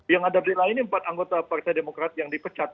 yang ada berita ini empat anggota partai demokrat yang dipecat